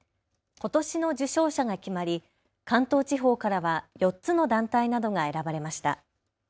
ことしの受賞者が決まり関東地方からは４つの団体などが選ばれました。